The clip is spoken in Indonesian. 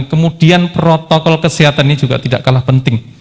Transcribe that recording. kemudian protokol kesehatan ini juga tidak kalah penting